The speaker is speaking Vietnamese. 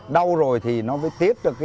đau rồi thì nó phải tiết được